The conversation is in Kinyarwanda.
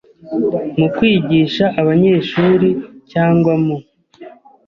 mu kwigisha abanyeshuri cyangwa mu